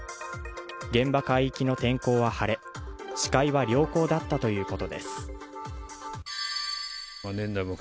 現場海域の天候は晴れ視界は良好だったということです